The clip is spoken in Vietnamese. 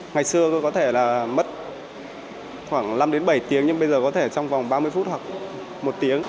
ngày xưa tôi có thể là mất khoảng năm đến bảy tiếng nhưng bây giờ có thể trong vòng ba mươi phút hoặc một tiếng